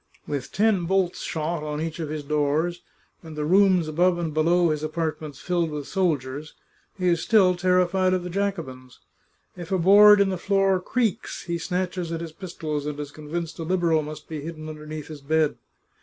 With ten ICX) The Chartreuse of Parma bolts shot on each of his doors, and the rooms above and below his apartments filled with soldiers, he is still terrified of the Jacobins ! If a board in the floor creaks he snatches at his pistols and is convinced a Liberal must be hidden un derneath his bed.